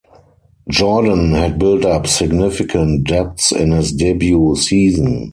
Jordan had built up significant debts in his debut season.